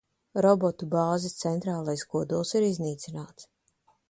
Robotu bāzes centrālais kodols ir iznīcināts.